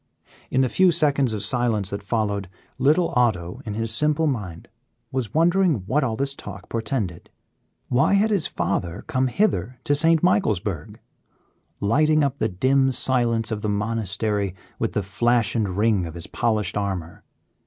In the few seconds of silence that followed, little Otto, in his simple mind, was wondering what all this talk portended. Why had his father come hither to St. Michaelsburg, lighting up the dim silence of the monastery with the flash and ring of his polished armor?